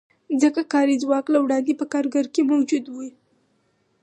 ځکه کاري ځواک له وړاندې په کارګر کې موجود وي